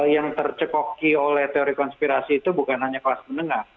yang tercekoki oleh teori konspirasi itu bukan hanya kelas menengah